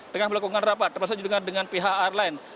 dengan melakukan rapat termasuk juga dengan pihak airline